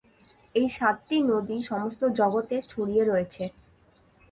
এই সাতটি নদী সমস্ত জগৎ এ ছড়িয়ে রয়েছে।